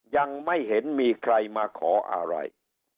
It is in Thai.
ยังไม่เห็นมีใครมาขออะไร